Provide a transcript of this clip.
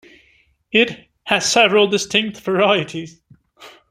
It has several distinct varieties.